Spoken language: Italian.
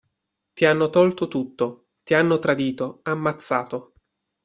Ti hanno tolto tutto, ti hanno tradito, ammazzato.